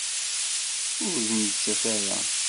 Ur d-nettas ara.